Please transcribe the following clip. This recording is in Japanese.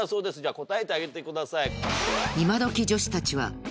答えてあげてください。